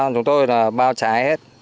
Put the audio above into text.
chúng tôi là bao trái hết